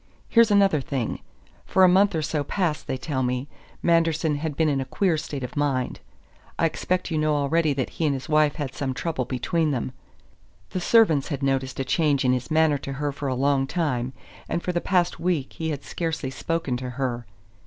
Here's another thing: for a month or so past, they tell me, Manderson had been in a queer state of mind. I expect you know already that he and his wife had some trouble between them. The servants had noticed a change in his manner to her for a long time, and for the past week he had scarcely spoken to her.